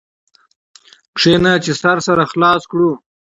کښېنه چي سر سره خلاص کړ.